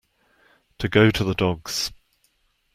To go to the dogs.